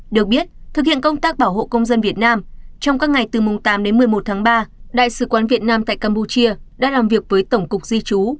được biết thực hiện công tác bảo hộ công dân việt nam trong các ngày từ mùng tám đến một mươi một tháng ba đại sứ quán việt nam tại campuchia đã làm việc với tổng cục di trú